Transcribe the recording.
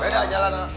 beda aja lah dong